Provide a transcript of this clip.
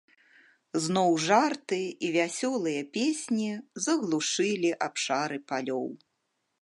Зноў жарты і вясёлыя песні заглушылі абшары палёў.